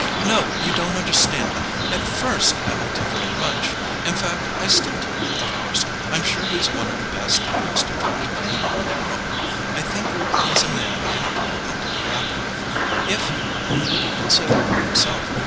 "No; you don't understand! At first I liked him very much in fact, I still do, of course I'm sure he's one of the best and most attractive young men in the world. I think he's a man any girl ought to be happy with, if he were only to be considered by himself.